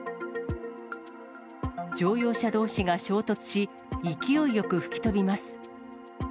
乗用車どうしが衝突し、勢いよく吹き飛びます。